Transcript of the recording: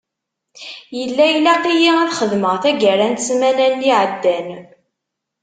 Yella ilaq-iyi ad xedmeɣ tagara n ssmana-nni iεeddan.